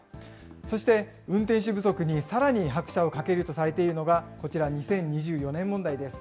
そして運転手不足にさらに拍車をかけるとされているのが、こちら、２０２４年問題です。